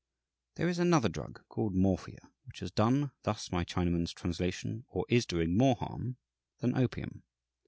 "There is another drug, called morphia, which has done (thus my Chinaman's translation) or is doing more harm than opium.